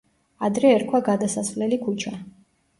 ადრე ერქვა გადასასვლელი ქუჩა.